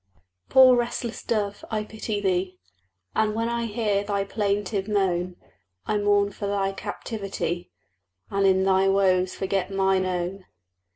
Poor restless dove, I pity thee; And when I hear thy plaintive moan, I mourn for thy captivity, And in thy woes forget mine own.